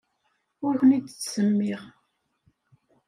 Ur ken-id-ttsemmiɣ.